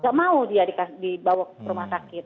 gak mau dia dibawa ke rumah sakit